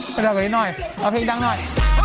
ไปดังกว่านี้หน่อยเอาเพลงดังหน่อย